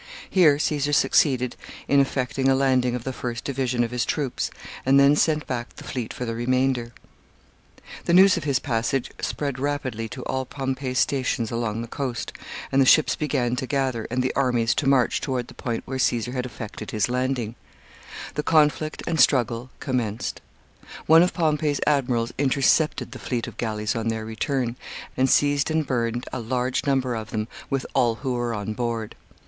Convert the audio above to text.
Here Caesar succeeded in effecting a landing of the first division of his troops, and then sent back the fleet for the remainder. [Sidenote: He subdues several towns.] [Sidenote: Caesar's advance.] [Sidenote: Distress of the armies.] The news of his passage spread rapidly to all Pompey's stations along the coast, and the ships began to gather, and the armies to march toward the point where Caesar had effected his landing. The conflict and struggle commenced. One of Pompey's admirals intercepted the fleet of galleys on their return, and seized and burned a large number of them, with all who were on board.